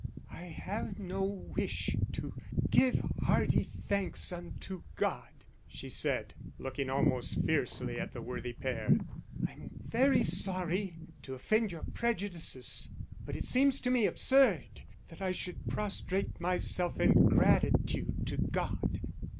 "I have no wish to 'give hearty thanks unto God,'" she said, looking almost fiercely at the worthy pair. "I'm very sorry to offend your prejudices, but it seems to me absurd that I should prostrate myself in gratitude to God."